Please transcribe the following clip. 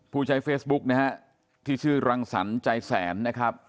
ผู้ใช้เฟซบุ๊กนะฮะที่ชื่อรังสรรค์ใจแสนนะครับ